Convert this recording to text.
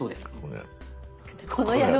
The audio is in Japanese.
この野郎。